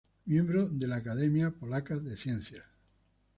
Miembro de la Academia Polaca de Ciencias.